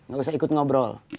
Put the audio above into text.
gak usah ikut ngobrol